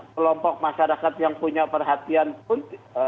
kelompok masyarakat yang punya perhatian pun